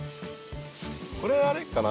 これあれかな。